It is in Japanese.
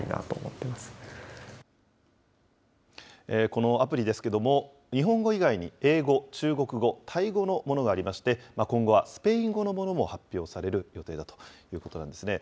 このアプリですけれども、日本語以外に英語、中国語、タイ語のものがありまして、今後はスペイン語のものも発表される予定だということなんですね。